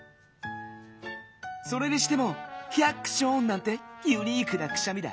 それにしても「ヒャクショーン！」なんてユニークなくしゃみだ。